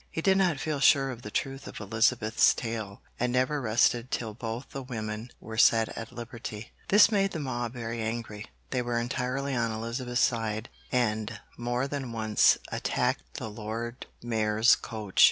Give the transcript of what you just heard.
He did not feel sure of the truth of Elizabeth's tale, and never rested till both the old women were set at liberty. This made the mob very angry. They were entirely on Elizabeth's side, and more than once attacked the Lord Mayor's coach.